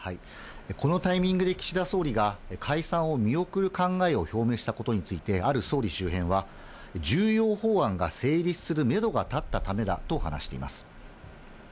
このタイミングで岸田総理が解散を見送る考えを表明したことについて、ある総理周辺は、重要法案が成立するメドが立ったためだと話しています。